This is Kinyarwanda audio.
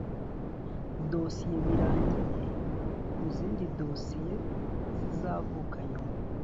dosiye birangiye Ku zindi dosiye zizavuka nyuma